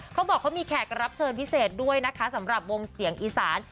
เขาบอกเขามีแขกรับเชิญพิเศษด้วยนะคะสำหรับวงเสียงอีสาน